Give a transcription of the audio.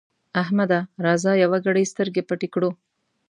احمده! راځه يوه ګړۍ سترګه پټه کړو.